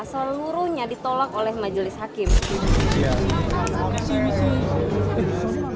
seluruhnya ditolak oleh majelis hakim